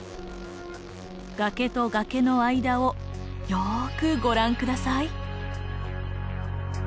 崖と崖の間をよくご覧下さい。